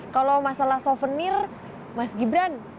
kalau masalah souvenir mas gibran